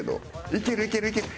いけるいけるいける！